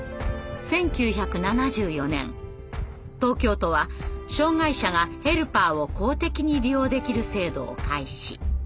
１９７４年東京都は障害者がヘルパーを公的に利用できる制度を開始。